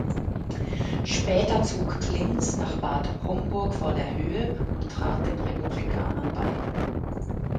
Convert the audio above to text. Später zog Klings nach Bad Homburg vor der Höhe und trat den Republikanern bei.